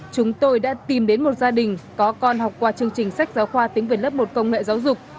chúng tôi đã tìm đến một gia đình có con học qua chương trình sách giáo khoa tiếng về lớp một công nghệ giáo dục